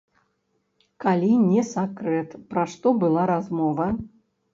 Калі не сакрэт, пра што была размова?